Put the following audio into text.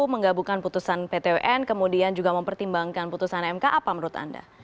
menggabungkan putusan pt un kemudian juga mempertimbangkan putusan mk apa menurut anda